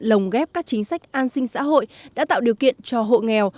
lồng ghép các chính sách an sinh xã hội đã tạo điều kiện cho hộ nghèo